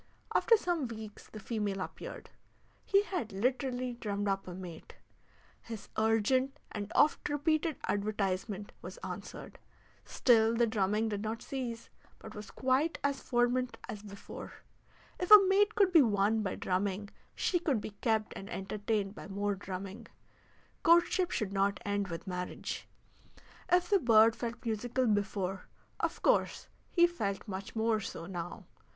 After some weeks the female appeared; he had literally drummed up a mate; his urgent and oft repeated advertisement was answered. Still the drumming did not cease, but was quite as fervent as before. If a mate could be won by drumming she could be kept and entertained by more drumming; courtship should not end with marriage. If the bird felt musical before, of course he felt much more so now.